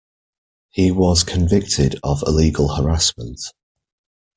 He was convicted of illegal harassment.